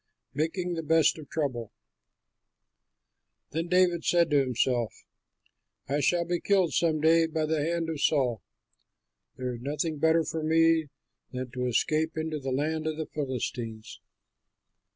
MAKING THE BEST OF TROUBLE Then David said to himself, "I shall be killed some day by the hand of Saul. There is nothing better for me than to escape into the land of the Philistines.